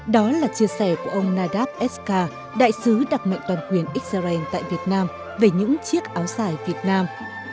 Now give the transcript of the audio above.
đó là chia sẻ của ông nadav eskar đại sứ đặc mệnh toàn quyền israel tại việt nam về những chiếc áo dài việt nam